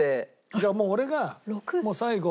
じゃあもう俺が最後。